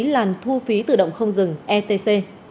làn thu phí tự động không dừng etc